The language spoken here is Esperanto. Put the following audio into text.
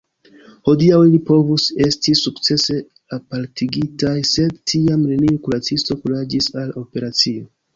Hodiaŭ ili povus esti sukcese apartigitaj, sed tiam neniu kuracisto kuraĝis al operacio.